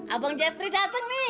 abang jeffrey dateng nih